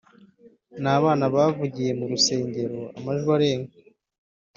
n’abana bavugiye mu rusengero amajwi arenga